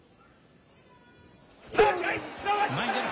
前に出る。